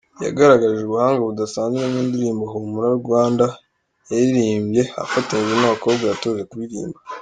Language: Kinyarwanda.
Yagaragaje ubuhanga budasanzwe mu ndirimbo ‘Humura Rwanda’ yaririmbye afatanyije n’abakobwa yatoje kuririmba.